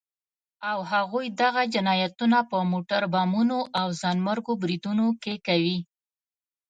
او هغوی دغه جنايتونه په موټر بمونو او ځانمرګو بريدونو کې کوي.